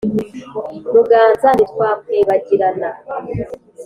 muganza ntitwakwibagirana